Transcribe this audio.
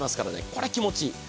これは気持ちいい。